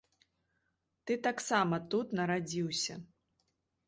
Ты таксама тут нарадзіўся.